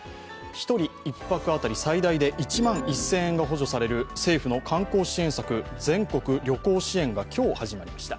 １人１泊当たり最大で１万１０００円が補助される政府の観光支援策、全国旅行支援が今日始まりました。